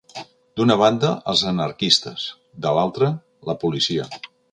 D'una banda, els anarquistes; de l'altra, la policia